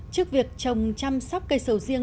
trước việc trồng chăm sóc cây sầu riêng